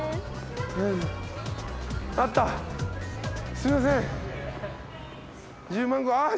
すいません。